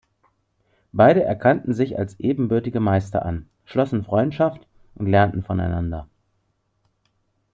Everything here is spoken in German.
Beide erkannten sich als ebenbürtige Meister an, schlossen Freundschaft und lernten voneinander.